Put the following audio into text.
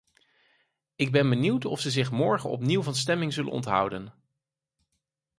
Ik ben benieuwd of ze zich morgen opnieuw van stemming zullen onthouden.